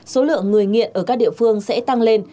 số lượng người nghiện ở các địa phương sẽ tăng lên